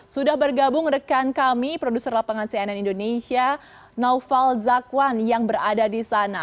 sudah bergabung rekan kami produser lapangan cnn indonesia naufal zakwan yang berada di sana